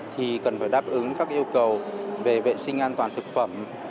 thì cần phải đáp ứng các yêu cầu về vệ sinh an toàn thực phẩm